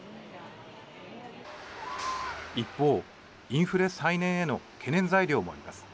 一方、インフレ再燃への懸念材料もあります。